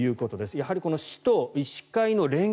やはり市と医師会の連携